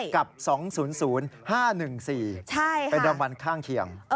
กับ๒๐๐๕๑๔เป็นรางวัลข้างเคียง